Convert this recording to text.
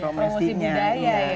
promosi budaya ya